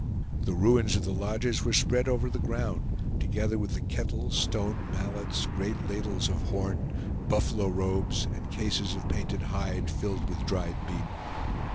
The ruins of the lodges were spread over the ground, together with kettles, stone mallets, great ladles of horn, buffalo robes, and cases of painted hide, filled with dried meat.